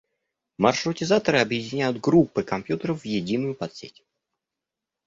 Маршрутизаторы объединяют группы компьютеров в единую подсеть